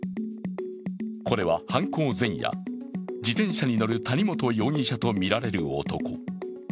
これは犯行前夜、自転車に乗る谷本容疑者とみられる男。